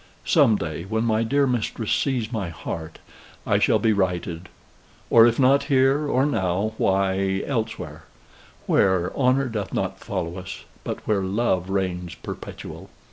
Some day, when my dear mistress sees my heart, I shall be righted; or if not here or now, why, elsewhere; where Honor doth not follow us, but where Love reigns perpetual."